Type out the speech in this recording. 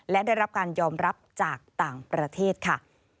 และได้รับการยอมรับจากต่างประเทศค่ะ